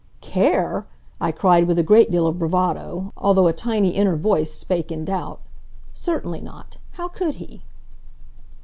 "Care!" I cried with a great deal of bravado, although a tiny inner voice spake in doubt. "Certainly not. How could he?"